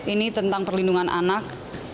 ini tentang perlindungan anak